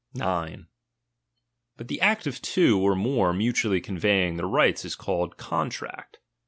9. But the act of two, or more, mutually con veying their rights, is called a contract.